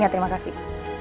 ya terima kasih